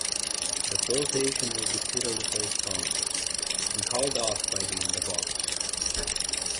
The flotation was repeatedly postponed, and called off by the end of August.